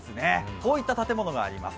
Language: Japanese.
こういった建物があります。